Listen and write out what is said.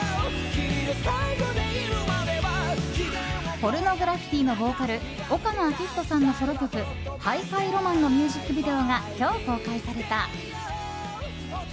ポルノグラフィティのボーカル岡野昭仁さんのソロ曲「ハイファイ浪漫」のミュージックビデオが今日、公開された。